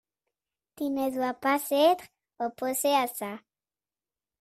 Tu ne dois pas être opposée à ça ?…